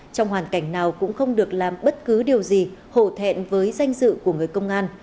trong hoàn cảnh nào cũng không được làm bất cứ điều gì hổ thẹn với danh dự của người công an